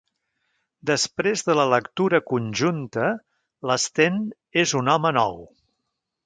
Després de la lectura conjunta, l'Sten és un home nou.